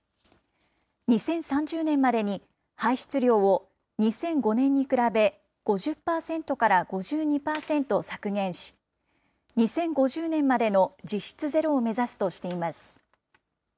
２０３０年までに排出量を２００５年に比べ、５０％から５２％削減し、２０５０年までの実質ゼロを目指すとしています。